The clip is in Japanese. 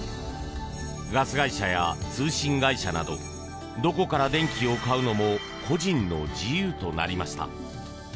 ガス会社や通信会社などどこから電気を買うのも個人の自由となりました。